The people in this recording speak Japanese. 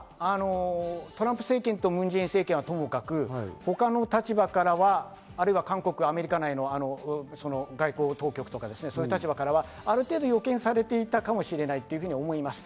それはでもトランプ政権とムン・ジェイン政権はともかく他の立場からは、あるいは韓国、アメリカ内の外交当局とかそういう立場からはある程度、予見されていたかもしれないと思います。